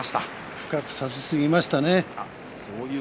深く差しすぎましたね。